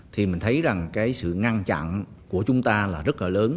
thì mình thấy rằng cái sự ngăn chặn của chúng ta là rất là lớn